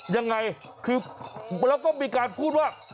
ยังไงคือแล้วก็มีการพูดว่า